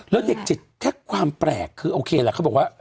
แล้วเด็กจิตแค่ความแปลกคือโอเคแหละเขาบอกว่า